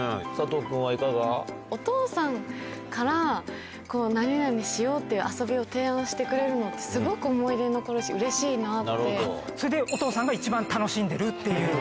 お父さんから、何々しようって遊びを提案してくれるのって、すごく思い出に残るそれで、お父さんが一番楽しんでるっていう。